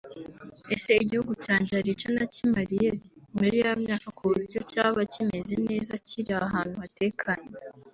Ese igihugu cyanjye hari icyo nakimariye muri ya myaka kuburyo cyaba kimeze neza kiri ahantu hatekanye